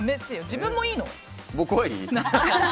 自分はいいの？